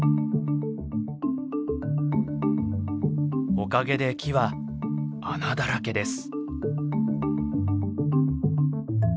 おかげで木は穴だらけです。